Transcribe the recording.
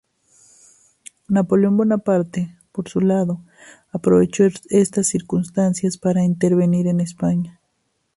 Napoleón Bonaparte, por su lado, aprovechó estas circunstancias para intervenir en España.